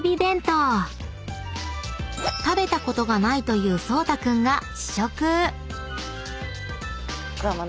［食べたことがないという颯太君が試食］